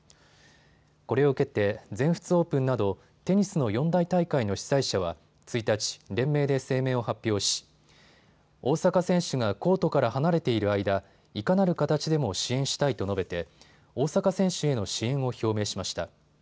これを受けて全仏オープンなどテニスの四大大会の主催者は１日、連名で声明を発表し、大坂選手がコートから離れている間、いかなる形でも支援したいと述べて大坂選手への支援を表明しました。